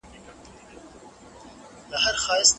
ګلان باید هره ورځ په وخت اوبه شي.